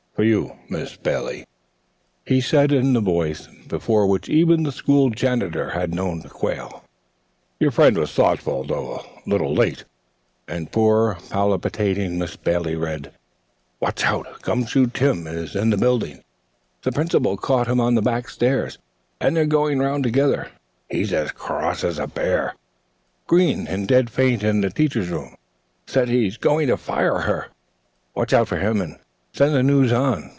"For you, Miss Bailey," he said in the voice before which even the school janitor had been known to quail. "Your friend was thoughtful, though a little late." And poor palpitating Miss Bailey read: "Watch out! 'Gum Shoe Tim' is in the building. The Principal caught him on the back stairs, and they're going round together. He's as cross as a bear. Greene in dead faint in the dressing room. Says he's going to fire her. Watch out for him, and send the news on.